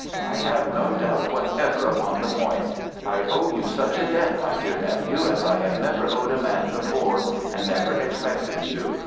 "I have no doubt whatever upon the point. I owe you such a debt, my dear nephew, as I have never owed a man before, and never expected to.